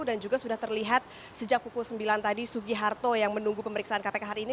dan juga sudah terlihat sejak pukul sembilan tadi sugi harto yang menunggu pemeriksaan kpk hari ini